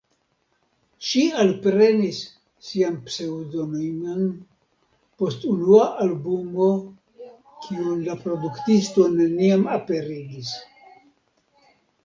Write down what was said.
Ŝi alprenis sian pseŭdonimon post unua albumo kiun la produktisto neniam aperigis.